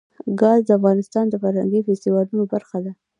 ګاز د افغانستان د فرهنګي فستیوالونو برخه ده.